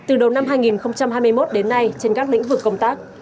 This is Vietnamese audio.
từ đầu năm hai nghìn hai mươi một đến nay trên các lĩnh vực công tác